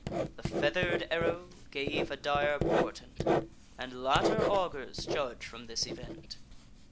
The feather'd arrow gave a dire portent, And latter augurs judge from this event.